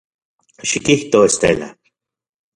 Xikijto, Estela.